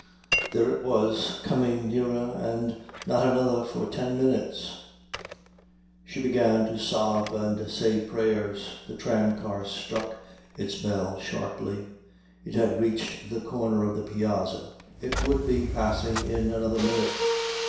There it was, coming nearer, and not another for ten minutes. She began to sob and say prayers. The tramcar struck its bell sharply, it had reached the corner of the piazza, it would be passing in another minute.